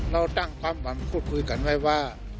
เราตั้งความหวังพูดคุยกันไว้ว่า